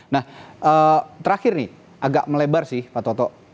nah terakhir nih agak melebar sih pak toto